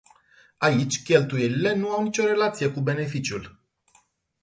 Aici, cheltuielile nu au nicio relație cu beneficiul.